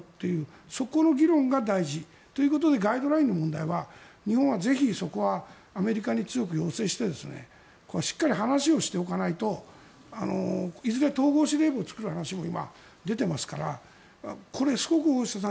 そこの議論が大事ということでガイドラインの問題は日本はぜひそこはアメリカに強く要請してしっかり話をしておかないといずれ統合司令部を作る話も今、出ていますからこれはすごく大下さん